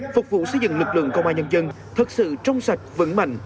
phục vụ xây dựng lực lượng công an nhân dân thật sự trong sạch vững mạnh